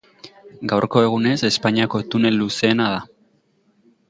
Gaurko egunez, Espainiako tunel luzeena da.